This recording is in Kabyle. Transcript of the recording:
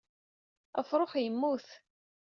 Afrux yemmut.